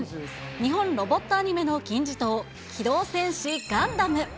日本ロボットアニメの金字塔、機動戦士ガンダム。